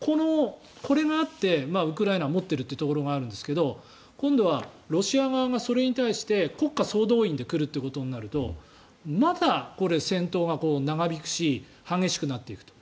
これがあってウクライナは持っているというところがあるんですが今度はロシア側がそれに対して国家総動員で来るということになるとまだこれ、戦闘が長引くし激しくなっていくと。